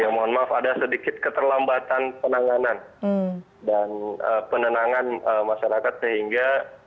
mohon maaf ada sedikit keterlambatan penanganan dan penenangan masyarakat sehingga